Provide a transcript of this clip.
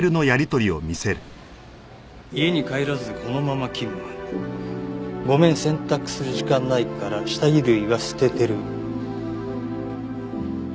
「家に帰らずこのまま勤務」「ごめん洗濯する時間ないから下着類は捨ててる」